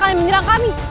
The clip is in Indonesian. kau akan diserang kami